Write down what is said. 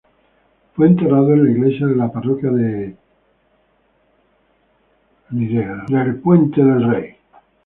Fue enterrado en la iglesia de la parroquia de Kingsbridge.